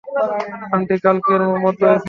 Aunty, কালকের মতোইতো।